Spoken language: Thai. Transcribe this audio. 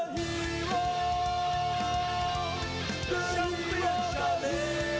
ฮีโรด่าฮีโรด่า